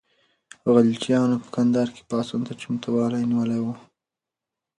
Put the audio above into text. غلجیانو په کندهار کې پاڅون ته چمتووالی نیولی و.